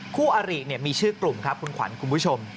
คู่อาริมีชื่อกลุ่มครับคุณขวัญคุณผู้ชม